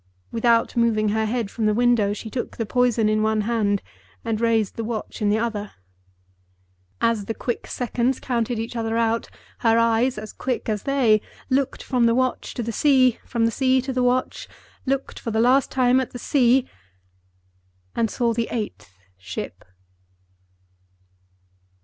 Without moving her head from the window, she took the poison in one hand, and raised the watch in the other. As the quick seconds counted each other out, her eyes, as quick as they, looked from the watch to the sea, from the sea to the watch—looked for the last time at the sea—and saw the EIGHTH ship.